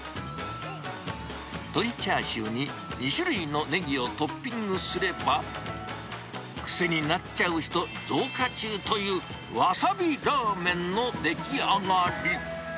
チャーシューに２種類のネギをトッピングすれば、癖になっちゃう人増加中というわさびラーメンの出来上がり。